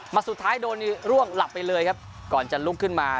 สุดท้ายโดนนี่ร่วงหลับไปเลยครับก่อนจะลุกขึ้นมา